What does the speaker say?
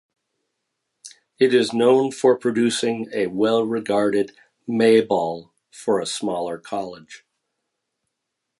It is known for producing a well-regarded May Ball for a smaller college.